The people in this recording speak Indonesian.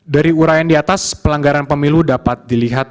dari urayan di atas pelanggaran pemilu dapat dilihat